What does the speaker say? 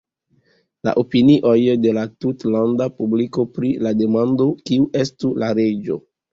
La opinioj de la tutlanda publiko pri la demando "kiu estu la reĝo?